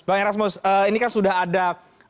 bang erasmus ini kan sudah ada